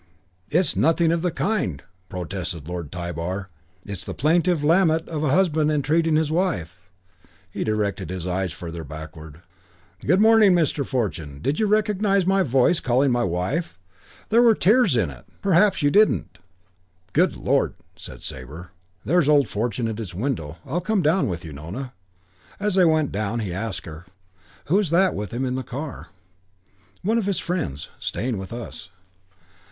"It's nothing of the kind," protested Lord Tybar. "It's the plaintive lament of a husband entreating his wife." He directed his eyes further backward. "Good morning, Mr. Fortune. Did you recognize my voice calling my wife? There were tears in it. Perhaps you didn't." "Good lord," said Sabre, "there's old Fortune at his window. I'll come down with you, Nona." As they went down he asked her, "Who's that with him in the car?" "One of his friends. Staying with us."